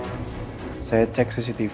hai saya cek cctv